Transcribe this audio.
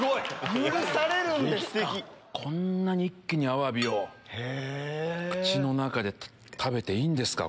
こんなに一気にアワビを口の中で食べていいんですか？